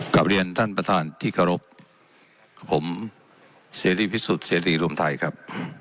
กลับเรียนท่านประธานที่เคารพกับผมเสรีพิสุทธิ์เสรีรวมไทยครับ